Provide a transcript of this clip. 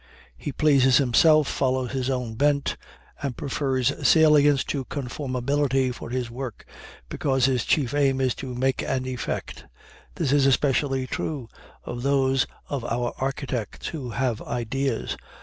He pleases himself, follows his own bent, and prefers salience to conformability for his work, because his chief aim is to make an effect. This is especially true of those of our architects who have ideas.